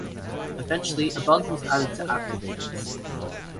Eventually, a button was added to activate it.